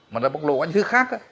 mà là bộc lộ qua những thứ khác